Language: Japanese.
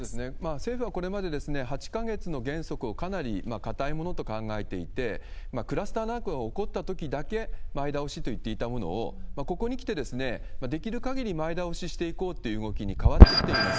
政府はこれまで８か月の原則をかなり堅いものと考えていて、クラスターなんかが起こったときだけ前倒しといっていたものを、ここにきてできる限り前倒ししていこうという動きに変わってきています。